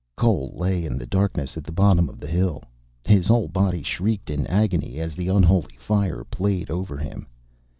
Cole lay in the darkness at the bottom of the hill. His whole body shrieked in agony as the unholy fire played over him.